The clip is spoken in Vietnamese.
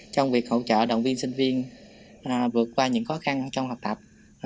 trong việc hỗ trợ đoàn viên sinh viên vượt qua những khó khăn trong học tập